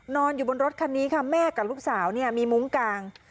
นอนอยู่บนรถคันนี้ค่ะแม่กับลูกสาวเนี่ยมีมุ้งกลาง